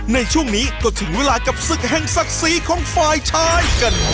ในช่วงนี้ก็ถึงเวลากับศึกแห่งศักดิ์ศรีของฝ่ายชายกัน